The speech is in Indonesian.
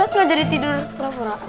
ustad gak jadi tidur pura pura